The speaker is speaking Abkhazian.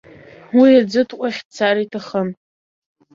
Уи аӡытҟәахь дцар иҭахын.